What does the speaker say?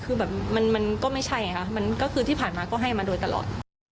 คือแบบมันก็ไม่ใช่ค่ะมันก็คือที่ผ่านมาก็ให้มาโดยตลอด